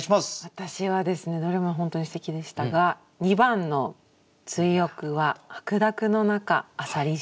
私はですねどれも本当にすてきでしたが２番の「追憶は白濁のなか浅蜊汁」。